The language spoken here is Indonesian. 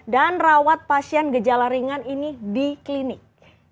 rawat pasien gejala ringan ini di klinik